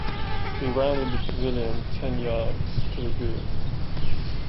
He rounded the pavilion ten yards to the good.